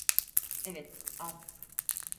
Evet, al.